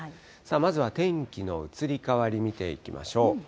まずは天気の移り変わり見ていきましょう。